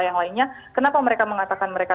yang lainnya kenapa mereka mengatakan mereka